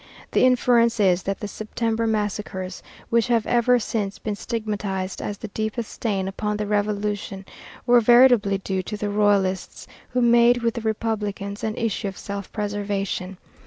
The inference is that the September massacres, which have ever since been stigmatized as the deepest stain upon the Revolution, were, veritably, due to the Royalists, who made with the Republicans an issue of self preservation.